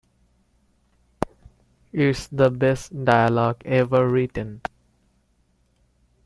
It's the best dialogue ever written.